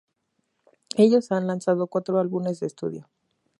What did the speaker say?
Ellos han lanzado cuatro álbumes de estudio.